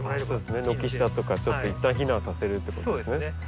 そうですね軒下とかちょっと一旦避難させるってことですね。